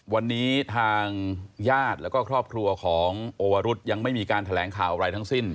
วันนี้ทางญาติแล้วก็ครอบครัวของโอวรุษยังไม่มีการแถลงข่าวอะไรทั้งสิ้น